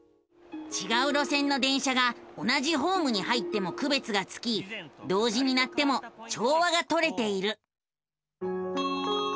ちがう路線の電車が同じホームに入ってもくべつがつき同時に鳴っても調和がとれている。